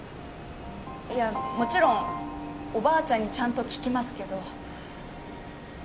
いやもちろんおばあちゃんにちゃんと聞きますけど。